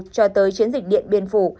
cho tới chiến dịch điện biên phủ